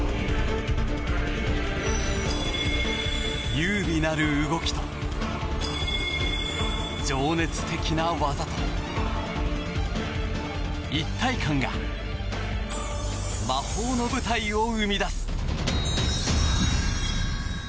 優美なる動きと情熱的な技と一体感が魔法の舞台を生み出す。